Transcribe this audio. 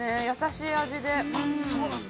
優しい味で。